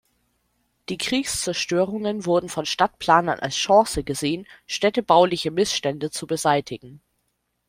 Die Kriegszerstörungen wurden von Stadtplanern als Chance gesehen, städtebauliche Missstände zu beseitigen.